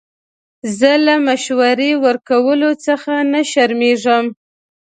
زه له مشورې ورکولو څخه نه شرمېږم.